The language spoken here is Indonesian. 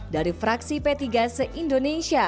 dari fraksi p tiga se indonesia